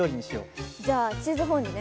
じゃあチーズフォンデュね。